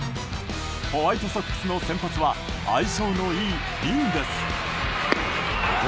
ホワイトソックスの先発は相性のいいリンです。